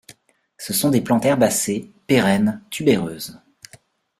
Ce sont des plantes herbacées, pérennes, tubéreuses.